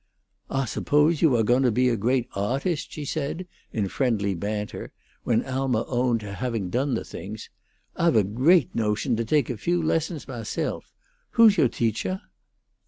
"Ah suppose you awe going to be a great awtust?" she said, in friendly banter, when Alma owned to having done the things. "Ah've a great notion to take a few lessons mahself. Who's yo' teachah?"